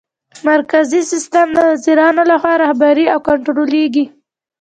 مرکزي سیسټم د وزیرانو لخوا رهبري او کنټرولیږي.